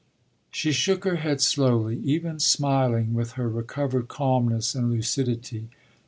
She shook her head slowly, even smiling with her recovered calmness and lucidity.